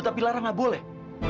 tapi lara gak boleh